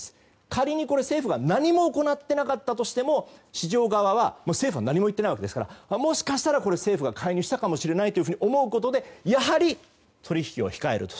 仮に政府が何も行っていなかったとしても市場側は、政府は何も言っていないわけですからもしかしたら政府が介入したかもしれないと思うことでやはり、取引を控えると。